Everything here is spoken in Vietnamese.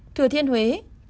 thừa thiên huế